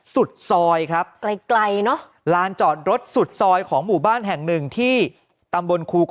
สุดซอยครับไกลไกลเนอะลานจอดรถสุดซอยของหมู่บ้านแห่งหนึ่งที่ตำบลครู